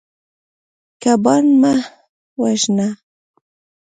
کبان مه وژنه.